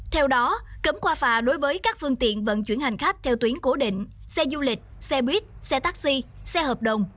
theo đó cấm qua phà đối với các phương tiện vận chuyển hành khách theo tuyến cố định xe du lịch xe buýt xe taxi xe hợp đồng